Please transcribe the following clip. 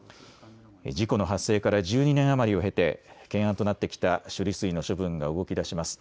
事故の発生から１２年余りを経て懸案となってきた処理水の処分が動き出します。